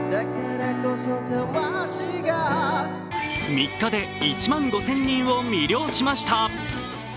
３日で１万５０００人を魅了しました。